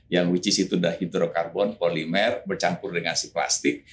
yang which is itu udah hidrokarbon polimer bercampur dengan si plastik